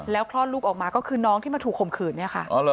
คลอดลูกออกมาก็คือน้องที่มาถูกข่มขืนเนี่ยค่ะ